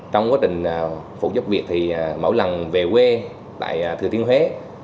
trong quá trình phụ giúp việc thì mỗi lần về quê tại thừa thiên huế